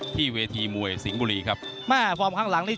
ที่เวทีมวยสิงห์บุรีครับแม่ฟอร์มข้างหลังนี้